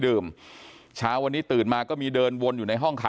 ซึ่งแต่ละคนตอนนี้ก็ยังให้การแตกต่างกันอยู่เลยว่าวันนั้นมันเกิดอะไรขึ้นบ้างนะครับ